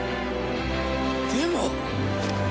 でも。